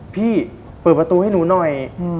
พี่เปิดประตูให้หนูหน่อย